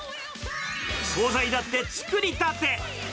総菜だって作りたて。